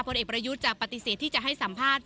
เอกประยุทธ์จะปฏิเสธที่จะให้สัมภาษณ์